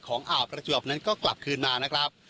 อ่าวประจวบนั้นก็กลับคืนมานะครับ